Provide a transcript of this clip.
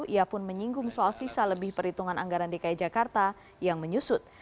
ia pun menyinggung soal sisa lebih perhitungan anggaran dki jakarta yang menyusut